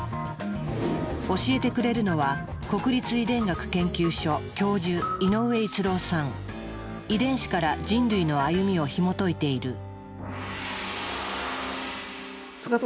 教えてくれるのは国立遺伝学研究所教授遺伝子から人類の歩みをひもといている。